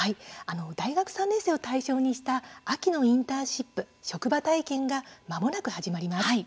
大学３年生を対象にした秋のインターンシップ職場体験が、まもなく始まります。